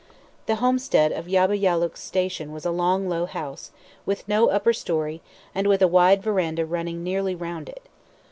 The homestead of Yabba Yallook station was a long low house, with no upper storey, and with a wide verandah running nearly round it.